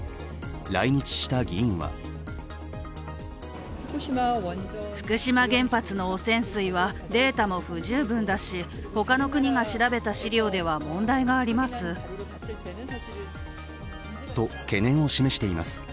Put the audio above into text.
来日した議員はと懸念を示しています。